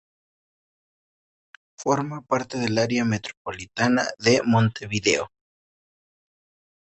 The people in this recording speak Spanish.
Forma parte del área metropolitana de Montevideo.